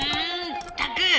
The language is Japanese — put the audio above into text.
ったく！